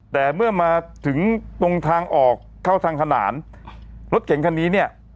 แต่เมื่อมาถึงตรงทางออกเข้าทางขนานรถเก่งคันนี้เนี่ย